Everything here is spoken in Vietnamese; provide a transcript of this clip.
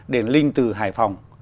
đền linh từ hải phòng